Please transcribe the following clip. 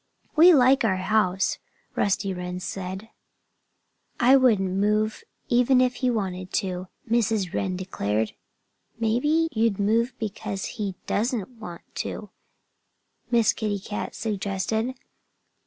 "We like our house," Rusty Wren said. "I wouldn't move, even if he wanted to," Mrs. Wren declared. "Maybe you'd move because he doesn't want to," Miss Kitty Cat suggested.